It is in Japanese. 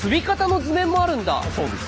そうです。